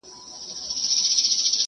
انسان وجدان سره مخ دی تل,